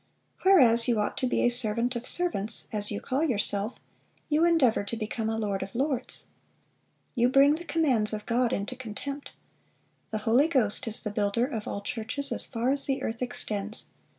Whereas you ought to be a servant of servants, as you call yourself, you endeavor to become a lord of lords.... You bring the commands of God into contempt.... The Holy Ghost is the builder of all churches as far as the earth extends....